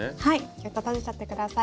ギュッと閉じちゃって下さい。